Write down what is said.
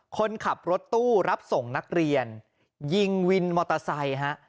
คนขับรถตู้รับส่งนักเรียนยิงวินมอเตอร์ไซค์ฮะ